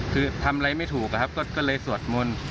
คือทำอะไรไม่ถูกอะครับก็เลยสวดมนต์